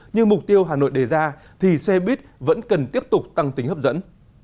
nhưng mục tiêu hà nội đề ra thì xe buýt vẫn cần tiếp tục tăng tính hấp dẫn